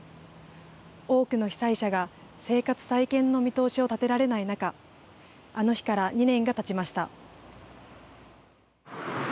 多くの被災者が生活再建の見通しを立てられない中あの日から２年がたちました。